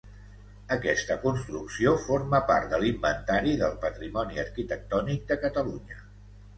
Aquesta construcció forma part de l'Inventari del Patrimoni Arquitectònic de Catalunya.